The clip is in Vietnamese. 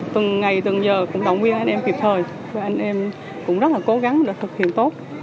từng ngày từng giờ cũng động viên anh em kịp thời cho anh em cũng rất là cố gắng để thực hiện tốt